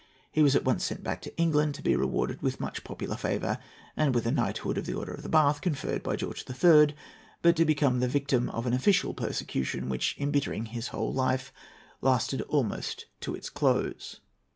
He was at once sent back to England, to be rewarded with much popular favour, and with a knighthood of the Order of the Bath, conferred by George III., but to become the victim of an official persecution, which, embittering his whole life, lasted almost to its close.